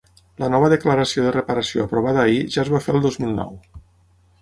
La nova declaració de reparació aprovada ahir ja es va fer el dos mil nou.